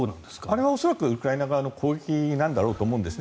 あれは恐らくウクライナ側の攻撃なんだろうと思うんですね。